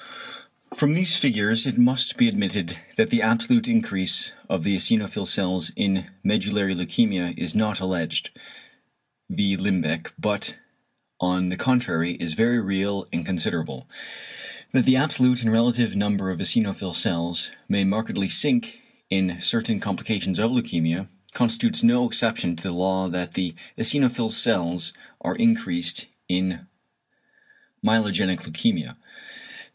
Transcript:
From these figures it must be admitted that the absolute increase of the eosinophil cells in medullary leukæmia is not "alleged" (v. Limbeck) but on the contrary is very real and considerable. That the absolute and relative number of eosinophil cells may markedly sink in certain complications of leukæmia, constitutes no exception to the law that the eosinophil cells are increased in myelogenic leukæmia.